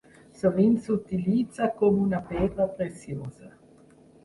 Sovint s'utilitza com una pedra preciosa.